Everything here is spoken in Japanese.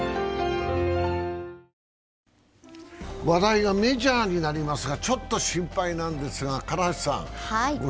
話題がメジャーになりますが、ちょっと心配なんですが。